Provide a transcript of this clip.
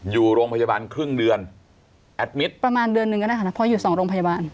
อยู่โรงพยาบาลครึ่งเดือนแอดมิตรประมาณเดือนหนึ่งก็ได้ค่ะนะเพราะอยู่สองโรงพยาบาล